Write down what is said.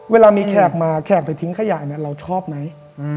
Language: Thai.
เวลามีแขกมาแขกไปทิ้งขยะเราชอบไหม